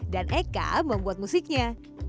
dan eka membuat musiknya